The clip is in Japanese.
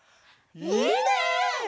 いいね！